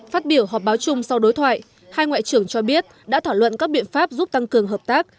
phát biểu họp báo chung sau đối thoại hai ngoại trưởng cho biết đã thảo luận các biện pháp giúp tăng cường hợp tác